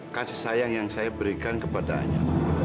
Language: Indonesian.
kasih sayang yang saya berikan kepadanya